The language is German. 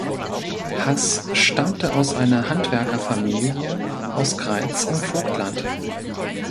Haß stammte aus einer Handwerkerfamilie aus Greiz im Vogtland.